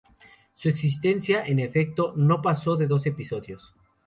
Su existencia, en efecto, no pasó de dos episodios.